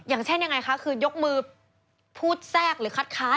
อย่างเช่นยังไงคะคือยกมือพูดแทรกหรือคัดค้าน